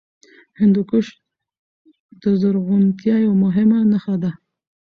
هندوکش د زرغونتیا یوه مهمه نښه ده.